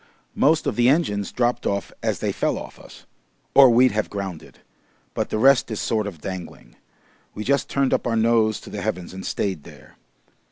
Most of the engines dropped off as they fell off us or we'd have grounded but the rest is sort of dangling. We just turned up our nose to the heavens and stayed there.